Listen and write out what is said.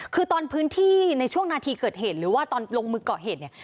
คือตอนพื้นที่ในช่วงนาทีเกิดเหตุหรือว่าตอนลงมือก่อเหตุเนี่ย